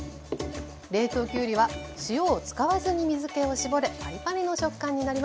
冷凍きゅうりは塩を使わずに水けを絞るパリパリの食感になります。